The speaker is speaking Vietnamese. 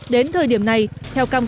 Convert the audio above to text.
đến thời điểm này theo cam kết